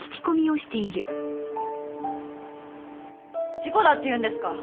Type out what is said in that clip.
事故だっていうんですか？